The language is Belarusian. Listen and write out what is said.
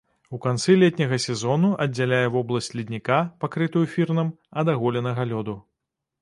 У канцы летняга сезону аддзяляе вобласць ледніка, пакрытую фірнам, ад аголенага лёду.